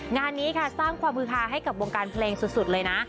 งานนี้ค่ะสร้างความฮือฮาให้กับวงการเพลงสุดเลยนะ